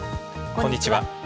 こんにちは。